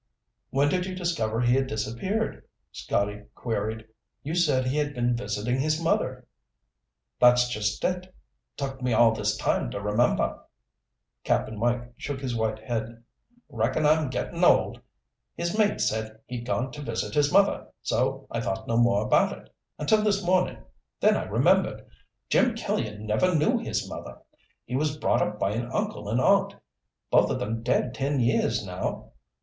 "When did you discover he had disappeared?" Scotty queried. "You said he had been visiting his mother." "That's just it. Took me all this time to remember." Cap'n Mike shook his white head. "Reckon I'm getting old. His mate said he'd gone to visit his mother, so I thought no more about it. Until this morning. Then I remembered. Jim Killian never knew his mother. He was brought up by an uncle and aunt, both of them dead ten years now.